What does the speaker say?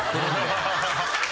ハハハハ！